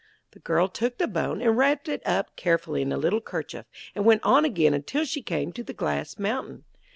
The girl took the bone, and wrapped it up carefully in a little kerchief, and went on again until she came to the glass mountain.